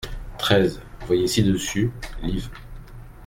treize Voyez ci-dessus, liv.